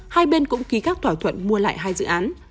hai bên cũng ký các thỏa thuận mua lại hai dự án